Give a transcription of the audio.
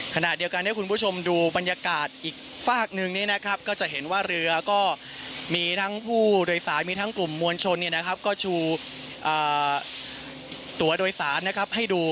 ขณะเดียวกันให้คุณผู้ชมดูบรรยากาศอีกฝากนึงนี้นะครับก็จะเห็นว่าเรือก็มีทั้งผู้โดยสารมีทั้งกลุ่มมวลชนก็ชูตัวโดยสารนะครับให้ดู